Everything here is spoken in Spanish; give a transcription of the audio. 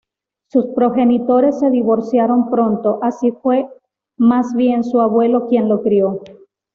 Sus progenitores se divorciaron pronto, así fue más bien su abuelo quien lo crio.